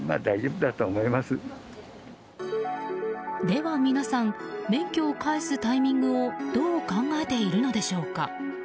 では、皆さん免許を返すタイミングをどう考えているのでしょうか。